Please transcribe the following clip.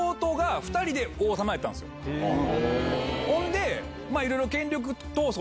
ほんで。